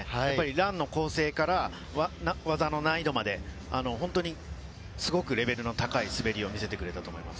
ランの構成から技の難易度まで、本当にすごくレベルの高い滑りを見せてくれたと思います。